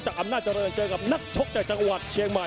อำนาจเจริญเจอกับนักชกจากจังหวัดเชียงใหม่